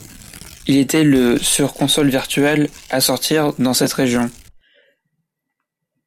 Il était le sur Console virtuelle à sortir dans cette région.